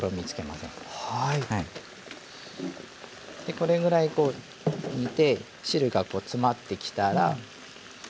これぐらいこう煮て汁が詰まってきたらごま油を。